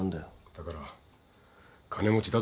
だから金持ちだとか